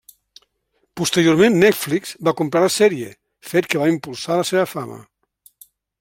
Posteriorment, Netflix, va comprar la sèrie, fet que va impulsar la seva fama.